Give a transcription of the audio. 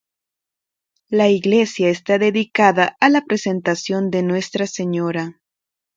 La iglesia está dedicada a La Presentación de Nuestra Señora.